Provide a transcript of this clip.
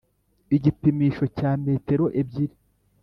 Igipimisho cya metero ebyiri,